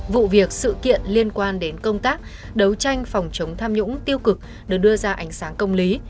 vụ việc sự kiện liên quan đến công tác đấu tranh phòng chống tham nhũng tiêu cực được đưa ra ánh sáng công lý